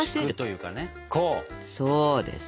そうです。